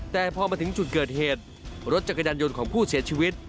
แต่พอมาถึงจุดเกิดเหตุรถจักรยานยนต์ของผู้เสียชีวิต